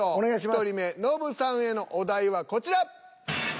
１人目ノブさんへのお題はこちら。